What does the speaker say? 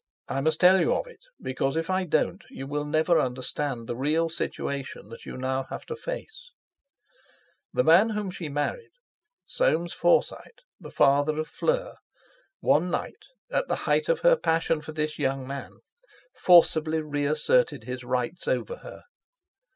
I must tell you of it because if I don't you will never understand the real situation that you have now to face. The man whom she had married—Soames Forsyte, the father of Fleur one night, at the height of her passion for this young man, forcibly reasserted his rights over her.